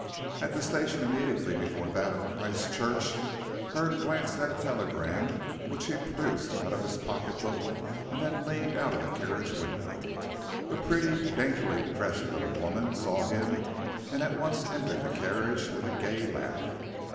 At the station immediately before that of Christchurch, Hurd glanced at a telegram which he produced out of his pocket book, and then leaned out of the carriage window. A pretty, daintily dressed little woman saw him and at once entered the carriage with a gay laugh.